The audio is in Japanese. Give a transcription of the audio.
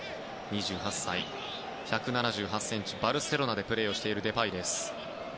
２８歳、１７８ｃｍバルセロナでプレーしているデパイです。